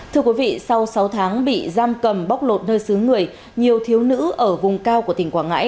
thưa quý vị sau sáu tháng bị giam cầm bóc lột nơi xứ người nhiều thiếu nữ ở vùng cao của tỉnh quảng ngãi